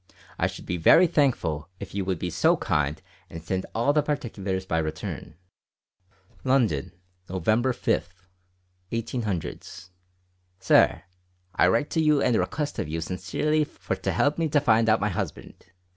I shood be verry thankful if you would be so kind and send all the particulars by return." "London, Nov. 5, 18 . "Sir, i right to you and request of you sinsearly for to help me to find out my husband.